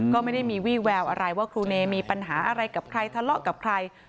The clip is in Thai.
ก็ไม่ได้มีวี่แววอะไรว่าครูเนมีปัญหาอะไรกับใครทะเลาะกับใคร